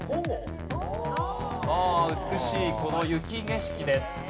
美しいこの雪景色です。